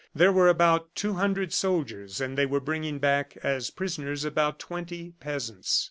There were about two hundred soldiers, and they were bringing back, as prisoners, about twenty peasants.